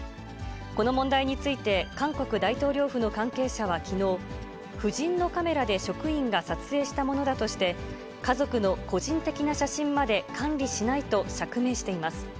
この問題について、韓国大統領府の関係者はきのう、夫人のカメラで職員が撮影したものだとして、家族の個人的な写真まで管理しないと釈明しています。